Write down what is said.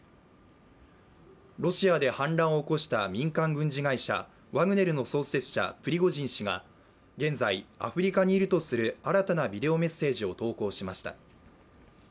ロシアで反乱を起こした民間軍事会社、ワグネルの創設者、プリコジン氏が現在アフリカにいるとする新たなビデオメッセージを投稿しました。